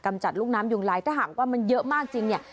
จัดลูกน้ำยุงลายถ้าหากว่ามันเยอะมากจริงเนี่ย